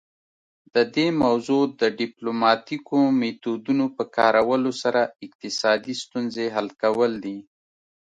د دې موضوع د ډیپلوماتیکو میتودونو په کارولو سره اقتصادي ستونزې حل کول دي